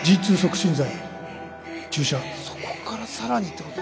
そこから更にってこと。